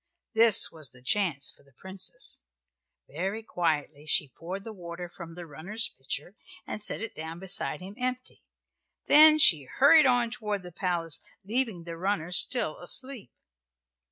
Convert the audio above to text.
This was the chance for the Princess. Very quietly she poured the water from the runner's pitcher, and set it down beside him empty. Then she hurried on toward the palace, leaving the runner still asleep.